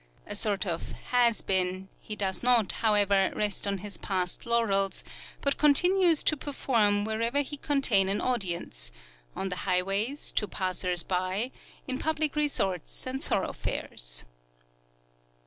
A sort of "has been," he does not, however, rest on his past laurels, but continues to perform whenever he can obtain an audience on the highways, to passers by, in public resorts and thoroughfares.